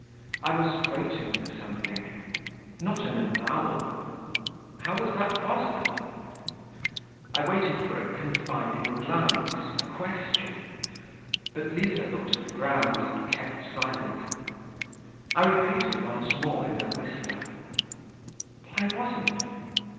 I was waiting for something ... not an avowal how was that possible? I waited for a confiding glance, a question.... But Liza looked at the ground, and kept silent. I repeated once more in a whisper: 'Why was it?'